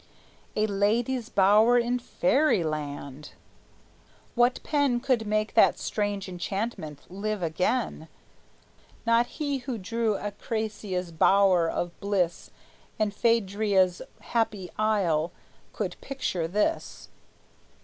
A lady's bower in Fairyland! What pen Could make that strange enchantment live again? Not he who drew Acrasia's Bower of Bliss And Phædria's happy isle could picture this.